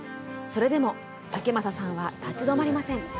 それでも竹政さんは立ち止まりません。